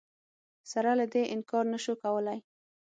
سره له دې انکار نه شو کولای